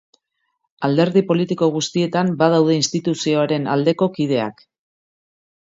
Alderdi politiko guztietan badaude instituzioaren aldeko kideak.